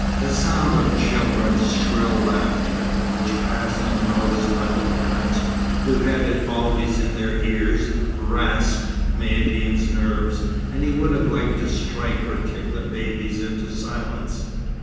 The sound of children's shrill laughter, which passed unnoticed by the parents, who had it always in their ears, rasped Maïeddine's nerves, and he would have liked to strike or kick the babies into silence.